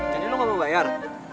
jadi lo gak mau bayar